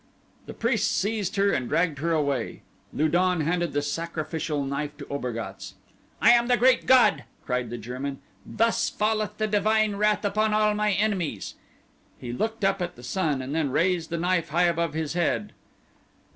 The priests seized her and dragged her away. Lu don handed the sacrificial knife to Obergatz. "I am the Great God," cried the German, "thus falleth the divine wrath upon all my enemies!" He looked up at the sun and then raised the knife high above his head.